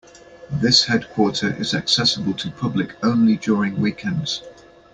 This headquarter is accessible to public only during weekends.